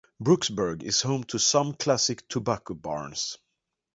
Brooksburg is home to some classic tobacco barns.